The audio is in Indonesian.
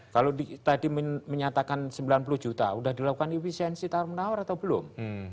kalau tadi menyatakan sembilan puluh juta sudah dilakukan efisiensi tawar menawar atau belum